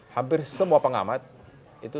hampir semua pengamat itu